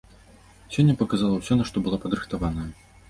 Сёння паказала ўсё, на што была падрыхтаваная.